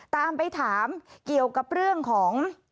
ตามไปถามเกี่ยวกับเรื่องของ